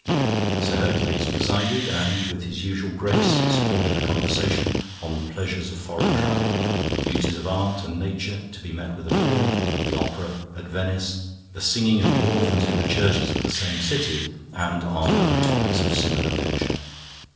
"Sir Hercules presided, and with his usual grace supported a conversation on the pleasures of foreign travel, the beauties of art and nature to be met with abroad, the opera at Venice, the singing of the orphans in the churches of the same city, and on other topics of a similar nature.